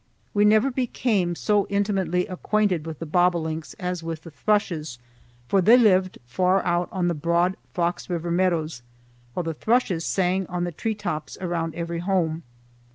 We never became so intimately acquainted with the bobolinks as with the thrushes, for they lived far out on the broad Fox River meadows, while the thrushes sang on the tree tops around every home.